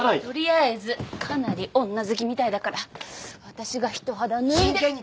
取りあえずかなり女好きみたいだから私が一肌脱いで。